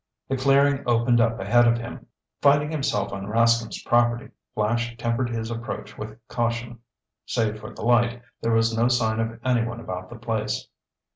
The clearing opened up ahead of him. Finding himself on Rascomb's property, Flash tempered his approach with caution. Save for the light, there was no sign of anyone about the place.